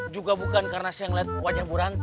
juga bukan karena saya melihat wajah buruan